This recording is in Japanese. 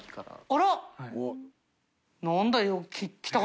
あら。